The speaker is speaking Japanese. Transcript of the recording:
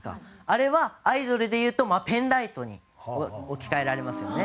あれはアイドルでいうとペンライトに置き換えられますよね。